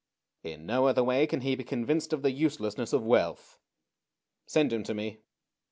In no other way can he be convinced of the uselessness of wealth. Send him to me."